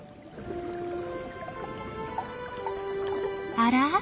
あら？